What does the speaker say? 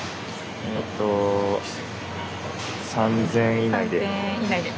３，０００円以内で。